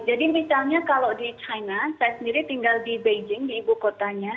jadi misalnya kalau di china saya sendiri tinggal di beijing di ibu kotanya